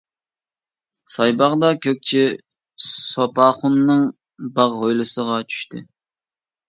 سايباغدا كۆكچى سوپاخۇننىڭ باغ ھويلىسىغا چۈشتى.